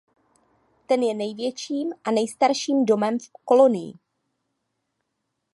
Ten je největším a nejstarším dolem v kolonii.